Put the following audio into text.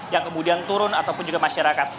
yang kemudian turun ataupun juga masyarakat